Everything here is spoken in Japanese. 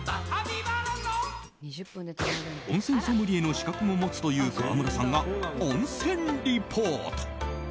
温泉ソムリエの資格も持つという川村さんが温泉リポート。